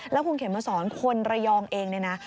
แล้วคุณเข็มมาสอนคนระยองเองเนี่ยนะ